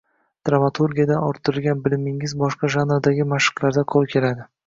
Dramaturgiyadan orttirgan bilimingiz boshqa janrlardagi mashqlarda qoʻl keladi